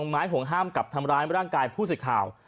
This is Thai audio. แต่ใหม่ห่วงห้ามกับธรรมรายร่างกายพูดเสียคร่าว